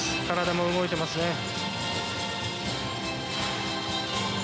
体も動いてますね。